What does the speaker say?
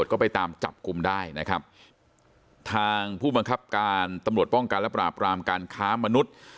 ก็ไปตามจับกลุ่มได้นะครับทางผู้บังคับการตำรวจป้องกันและปราบรามการค้ามนุษย์